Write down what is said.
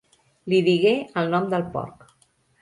Li digué el nom del porc.